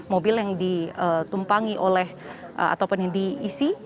mobil yang ditumpangi oleh ataupun yang diisi